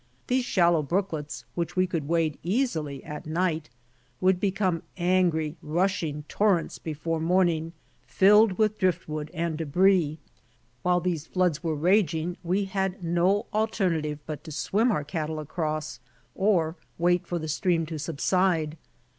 These shallow brooklets which we could wade easily at night, would become angry, rush ing torrents before morning, filled with drift wood and diebris. While these .floods were raging, we had no alternative but to swim our cattle across or wait for the stream to subside.